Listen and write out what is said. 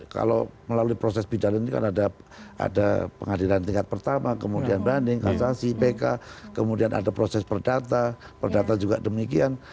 kalau melalui proses pidana ini kan ada pengadilan tingkat pertama kemudian banding kasasi pk kemudian ada proses perdata perdata juga demikian